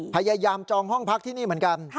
จองห้องพักที่นี่เหมือนกัน